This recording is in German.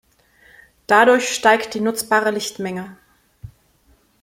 Dadurch steigt die nutzbare Lichtmenge.